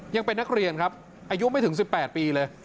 ยังเป็นนักเรียนครับอายุไม่ถึง๑๘ปีเลย